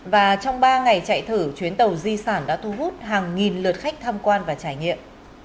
và trong ba ngày chạy thử chuyến tàu di sản đã thu hút hàng nghìn lượt khách tham quan và trải nghiệm